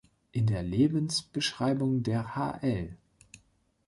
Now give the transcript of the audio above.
In der Lebensbeschreibung der hl.